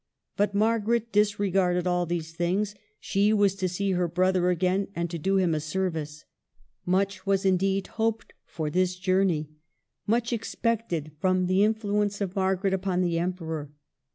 But Margaret disregarded all these things ; she was to see her brother again and to do him a service. Much was, indeed, hoped for this journey, much expected from the influence of Margaret upon the Emperor.